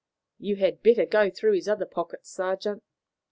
"You had better go through his other pockets, sergeant."